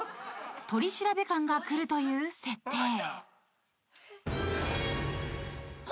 ［取調官が来るという設定］